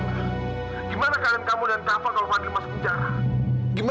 gimana keadaan kamu dan kak tovan kalau fadil masuk bicara